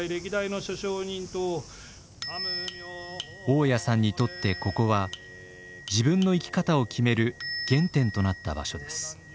雄谷さんにとってここは自分の生き方を決める原点となった場所です。